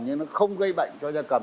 nhưng nó không gây bệnh cho ra cầm